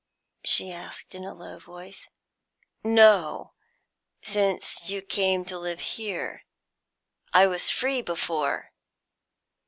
she asked, in a low voice. "No! Since you came to live here. I was free before."